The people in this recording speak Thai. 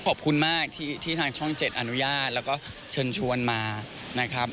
ขอบคุณมากที่ทางช่อง๗อนุญาตแล้วก็เชิญชวนมานะครับ